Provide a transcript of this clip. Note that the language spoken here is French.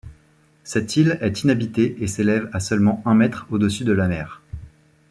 Cette île est inhabitée et s'élève à seulement un mètre au-dessus de la mer.